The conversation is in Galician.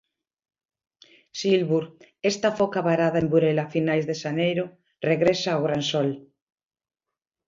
Silbur, esta foca varada en Burela a finais de xaneiro, regresa ao Gran Sol.